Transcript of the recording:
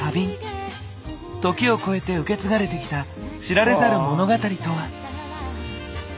時をこえて受け継がれてきた知られざる物語とは。